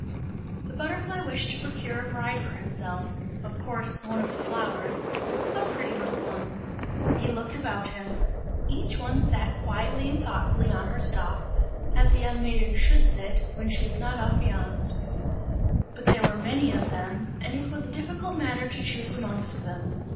The butterfly wished to procure a bride for himself of course, one of the flowers a pretty little one. He looked about him. Each one sat quietly and thoughtfully on her stalk, as a young maiden should sit, when she is not affianced; but there were many of them, and it was a difficult matter to choose amongst them.